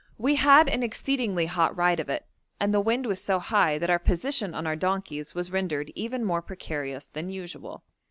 We had an exceedingly hot ride of it, and the wind was so high that our position on our donkeys was rendered even more precarious than usual.